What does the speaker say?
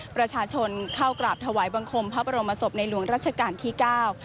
ประชาชนเข้ากราบถวายบังคมพระบรมศพในหลวงรัชกาลที่เก้า